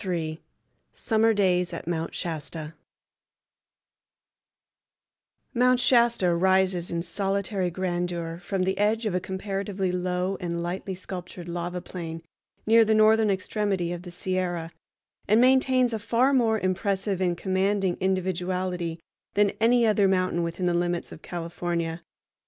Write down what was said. III. Summer Days at Mount Shasta Mount Shasta rises in solitary grandeur from the edge of a comparatively low and lightly sculptured lava plain near the northern extremity of the Sierra, and maintains a far more impressive and commanding individuality than any other mountain within the limits of California.